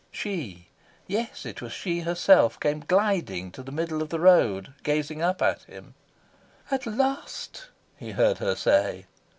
She yes, it was she herself came gliding to the middle of the road, gazing up at him. "At last!" he heard her say.